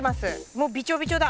もうびちょびちょだ。